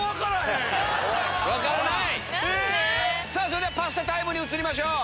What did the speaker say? それではパスタタイムに移りましょう。